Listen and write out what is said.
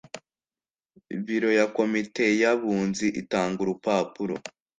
Biro ya komite y abunzi itanga urupapuro